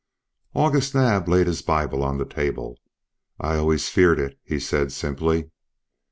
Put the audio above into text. August Naab laid his Bible on the table. "I always feared it," he said simply.